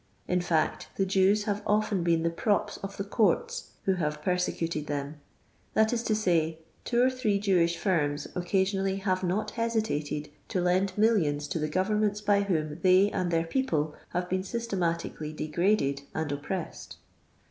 In fact, the Jews have often been the props of the courts who have per secuted them ; that is to sny, two cr three Ji wish firms occasionally have not hcsiutetl to lend mil lions to the governments by wh^m they niid tiieir people have been systcmnticilly degraded and oppressed.